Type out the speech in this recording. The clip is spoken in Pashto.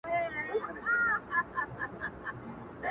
مرغۍ الوتې وه، خالي قفس ته ودرېدم ،